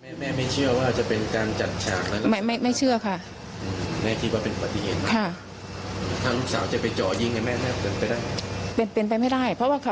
แม่ไม่เชื่อว่าจะเป็นการจัดฉากแล้ว